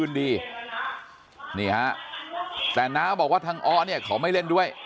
นี่ฮะแต่น้าบอกว่าทางอ้อเนี่ยเขาไม่เล่นด้วย